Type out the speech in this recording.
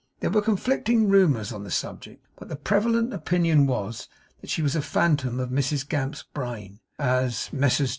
There were conflicting rumours on the subject; but the prevalent opinion was that she was a phantom of Mrs Gamp's brain as Messrs.